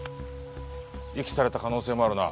遺棄された可能性もあるな。